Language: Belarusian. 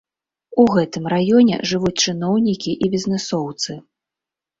У гэтым раёне жывуць чыноўнікі і бізнэсоўцы.